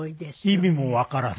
意味もわからず。